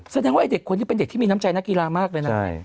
แสดงว่าไอ้เด็กคนนี้เป็นเด็กที่มีน้ำใจนักกีฬามากเลยนะ